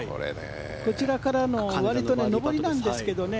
こちらからのわりと上りなんですけどね